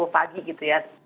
sepuluh pagi gitu ya